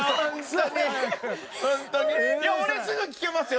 俺すぐ聞けますよ。